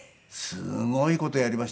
すごい事やりましたね。